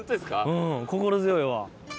うん心強いわ。